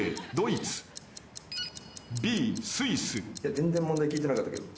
全然問題聞いてなかったけど。